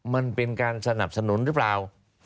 มันเป็นการสนับสนุนหรือเปล่า